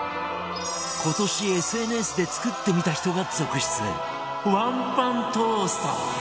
今年 ＳＮＳ で作ってみた人が続出ワンパントースト